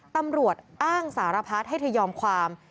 ตำรวจอ้างสารพัดให้เธอยอมความ